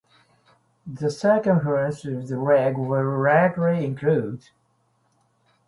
The circumference of the leg will likely increase.